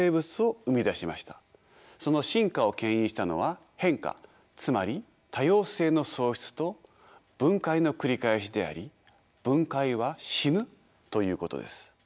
その進化をけん引したのは変化つまり多様性の創出と分解の繰り返しであり「分解」は「死ぬ」ということです。